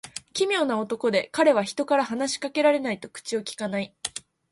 奇妙な男で、彼は人から話し掛けられないと口をきかない。